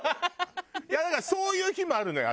いやだからそういう日もあるのよ